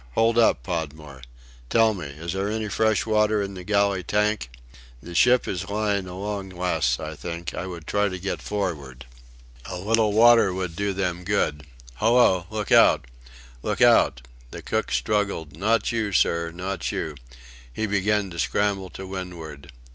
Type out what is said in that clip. Hold up, Podmore! Tell me is there any fresh water in the galley tank? The ship is lying along less, I think; I would try to get forward. A little water would do them good. Hallo! Look out! Look out!" The cook struggled. "Not you, sir not you!" He began to scramble to windward.